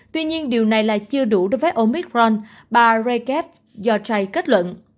tuy nhiên điều này là chưa đủ đối với omicron bà jaref yotray kết luận